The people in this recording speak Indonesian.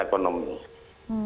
jadi kita sudah mulai